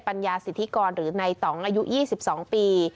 ัญญาสิทธิกรหรือในต่องอายุ๒๒ปี